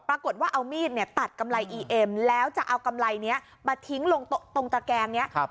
ปรากฏว่าเอามีดเนี่ยตัดกำไรอีเอ็มแล้วจะเอากำไรนี้มาทิ้งลงตรงตะแกงนี้